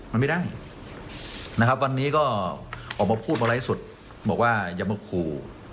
มันไม่ได้นะครับวันนี้ก็ออกมาพูดมาไลฟ์สุดบอกว่าอย่ามาขู่